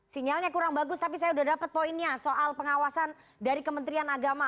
sinyalnya kurang bagus tapi saya sudah dapat poinnya soal pengawasan dari kementerian agama